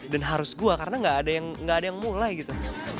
dan harus gue karena gak ada yang mulai gitu